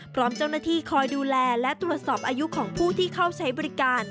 พร้อมเจ้าหน้าที่คอยดูแลและตรวจสอบอายุของผู้ที่เข้าใช้บริการ